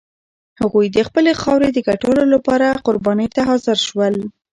هغوی د خپلې خاورې د ګټلو لپاره قربانۍ ته حاضر شول.